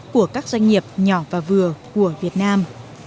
của các doanh nghiệp nhỏ và vừa của việt nam